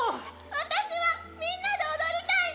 私はみんなで踊りたいの！